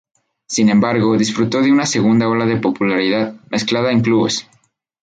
Sin embargo, disfrutó de una segunda ola de popularidad remezclada en clubes.